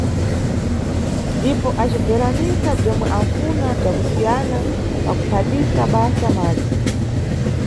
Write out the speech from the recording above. Ndipo acibveranisa bzomwe anʼfuna bza kusiyana pa kuphatisa basa madzi.